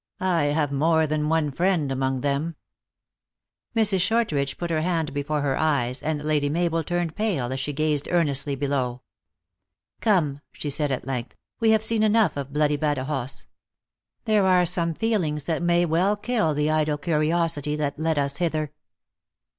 I have more than one friend among them." Mrs. Shortridge put her hand before her e} r es, and Lady Mabel turned pale as she gazed earnestly below. " Come," she said, at length, " we have seen enough of bloody Badajoz. There are some feelings that may well kill the idle curiosity that led us hither."